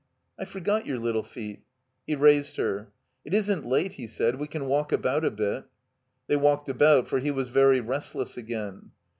"I forgot your little feet." He raised her. "It isn't late," he said. "We can walk about a bit." They walked about, for he was very restless again.